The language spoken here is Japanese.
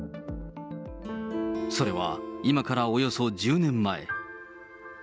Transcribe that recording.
それは今からおよそ１０年前。